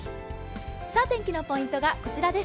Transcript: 天気のポイントがこちらです。